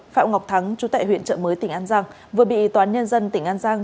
phạm ngọc thắng chú tệ huyện trợ mới tỉnh an giang vừa bị tòa nhân dân tỉnh an giang